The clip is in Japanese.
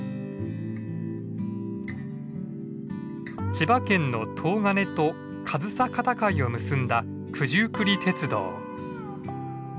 千葉県の東金と上総片貝を結んだ九十九里鉄道。